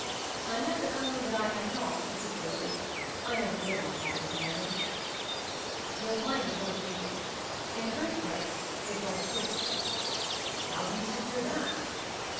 I had to own that I had not particularly — I never did like advertising. "You'll find it worth reading. In the first place it's all true." ^ "How do you secure that?"